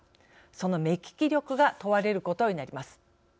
その目利き力が問われることになります。